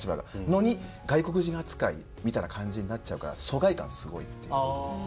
のに外国人扱いみたいな感じになっちゃうから疎外感すごいっていうことで。